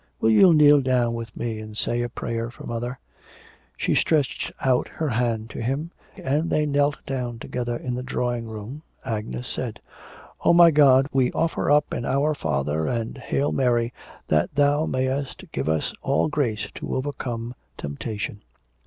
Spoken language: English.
Will you kneel down with me and say a prayer for mother?' She stretched out her hand to him, and they knelt down together in the drawing room. Agnes said: 'Oh, my God, we offer up an our Our Father and Hail Mary that thou may'st give us all grace to overcome temptation.'